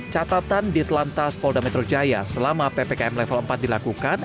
catatan di telantas polda metro jaya selama ppkm level empat dilakukan